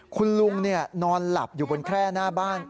คุณลุงนอนหลับอยู่บนแคร่หน้าบ้าน